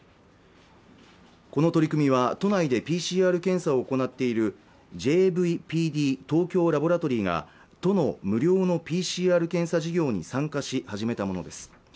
この取り組みは都内でＰＣＲ検査を行っているＪ−ＶＰＤ東京ラボラトリーがどの無料のＰＣＲ検査事業に参加し始めたものです